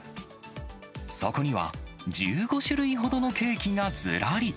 そこには、１５種類ほどのケーキがずらり。